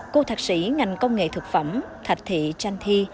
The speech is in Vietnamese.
cô thạc sĩ ngành công nghệ thực phẩm thạch thị chanh thi